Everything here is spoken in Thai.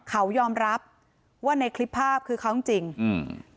เขายอมรับว่าในคลิปภาพคือเขาจริงจริงอืม